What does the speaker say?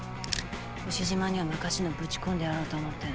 丑嶋には昔のぶち込んでやろうと思ってね。